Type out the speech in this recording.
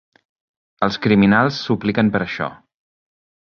Els criminals supliquen per això.